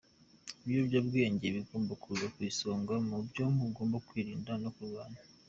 Ibiyobyabwenge bigomba kuza ku isonga mu byo mugomba kwirinda no kurwanya."